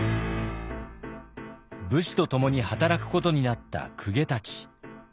武士とともに働くことになった公家たち。